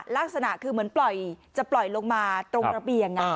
ลักษณะคือเหมือนจะปล่อยลงมาตรงระเบียง